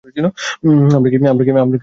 আমরা কি খুঁজছি আসলে?